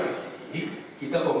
tidak diambil di setara dengan lain